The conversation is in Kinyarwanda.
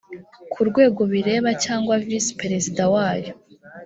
ku rwego bireba cyangwa visi perezida wayo